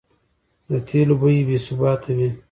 د تېلو بیې بې ثباته وې؛